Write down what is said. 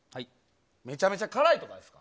めちゃめちゃ辛いとかですか？